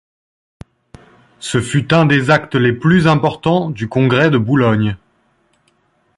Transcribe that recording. Ce fut un des actes les plus importants du congrès de Boulogne.